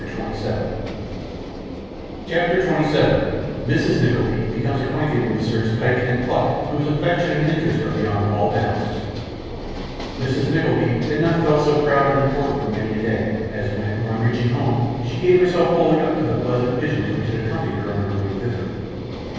She must take her chance.' CHAPTER 27 Mrs. Nickleby becomes acquainted with Messrs Pyke and Pluck, whose Affection and Interest are beyond all Bounds Mrs. Nickleby had not felt so proud and important for many a day, as when, on reaching home, she gave herself wholly up to the pleasant visions which had accompanied her on her way thither.